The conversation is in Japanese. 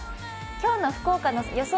今日の福岡の予想